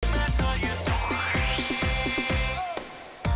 มาต่ออยู่ตรงนี้